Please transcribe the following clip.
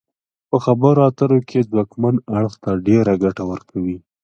دا په خبرو اترو کې ځواکمن اړخ ته ډیره ګټه ورکوي